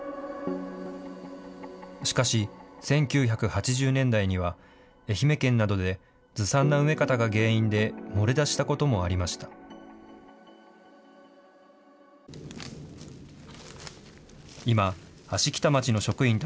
しかし、１９８０年代には、愛媛県などでずさんな埋め方が原因で漏れ出したこともありました。